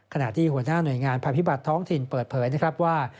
ขณะที่หัวหน้าหน่วยงานภัยพิบัตรท้องถิ่นเปิดเผยนะครับว่า